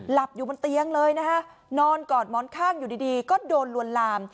หลับอยู่บนเตียงเลยนะคะนอนกอดหมอนข้างอยู่ดีก็โดนลวนลาม